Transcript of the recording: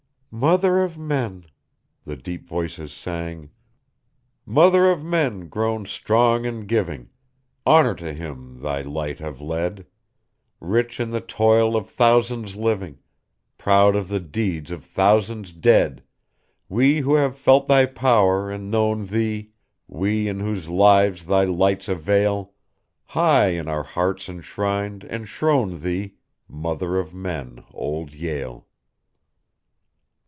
"Mother of men!" the deep voices sang "Mother of men grown strong in giving Honor to him thy light have led; Rich in the toil of thousands living, Proud of the deeds of thousands dead! We who have felt thy power, and known thee, We in whose lives thy lights avail, High, in our hearts enshrined, enthrone thee, Mother of men, old Yale!"